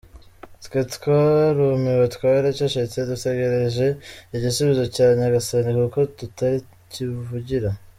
Twe twarumiwe, twaracecetse dutegereje igisubizo cya Nyagasani, kuko tutagira kivugira.